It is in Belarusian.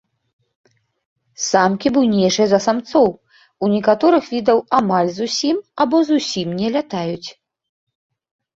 Самкі буйнейшыя за самцоў, у некаторых відаў амаль зусім або зусім не лятаюць.